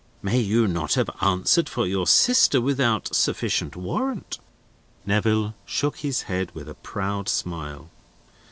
May you not have answered for your sister without sufficient warrant?" Neville shook his head with a proud smile.